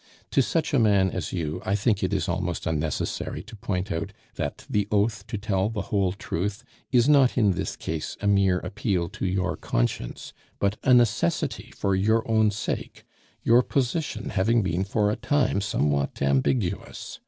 To such a man as you I think it is almost unnecessary to point out that the oath to tell the whole truth is not in this case a mere appeal to your conscience, but a necessity for your own sake, your position having been for a time somewhat ambiguous.